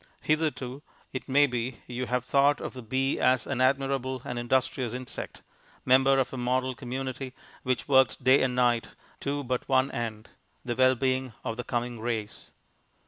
Hitherto, it may be, you have thought of the bee as an admirable and industrious insect, member of a model community which worked day and night to but one end the well being of the coming race.